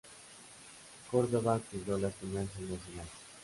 Córdova cuidó las finanzas nacionales.